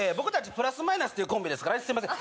プラス・マイナスっていうコンビですからねすいません